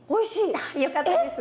あっよかったです。